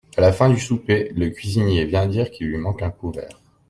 A la fin du souper, le cuisinier vient dire qu'il lui manque un couvert.